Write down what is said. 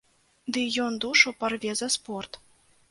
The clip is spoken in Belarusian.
Ды ён душу парве за спорт!